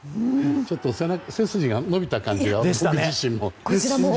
ちょっと背筋が伸びた感じが僕自身も。